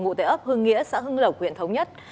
ngụ tế ấp hương nghĩa xã hưng lộc huyện thống nhất